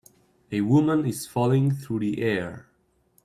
A woman is falling through the air.